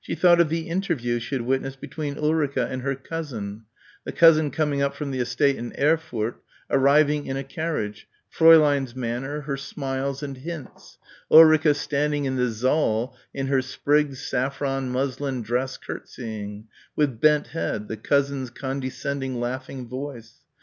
She thought of the interview she had witnessed between Ulrica and her cousin the cousin coming up from the estate in Erfurth, arriving in a carriage, Fräulein's manner, her smiles and hints; Ulrica standing in the saal in her sprigged saffron muslin dress curtseying ... with bent head, the cousin's condescending laughing voice.